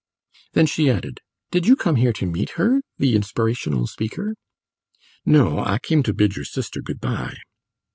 Then she added: "Did you come here to meet her the inspirational speaker?" "No; I came to bid your sister good bye."